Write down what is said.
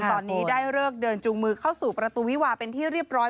ตอนนี้ได้เลิกเดินจูงมือเข้าสู่ประตูวิวาเป็นที่เรียบร้อย